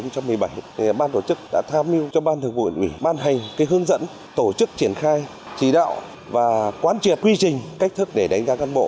thì ban tổ chức đã tham mưu cho ban thường vụ ủy ban hành cái hướng dẫn tổ chức triển khai chỉ đạo và quan triệt quy trình cách thức để đánh giá cán bộ